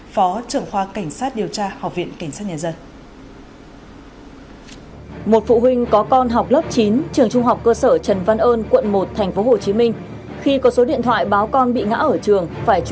phó trưởng khoa cảnh sát điều tra học viện cảnh sát nhân dân